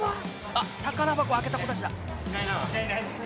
あっ宝箱開けた子たちだ。